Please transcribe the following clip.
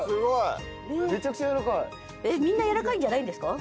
えっみんなやわらかいんじゃないんですか？